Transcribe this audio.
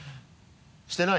してない？